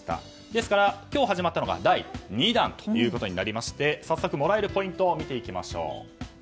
ですから、今日始まったのが第２弾となりまして早速もらえるポイントを見ていきましょう。